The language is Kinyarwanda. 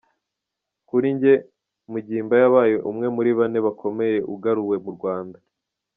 Kuri jye, Mugimba yabaye umwe muri bane bakomeye ugaruwe mu Rwanda.